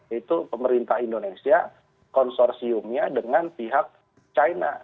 yaitu pemerintah indonesia konsorsiumnya dengan pihak china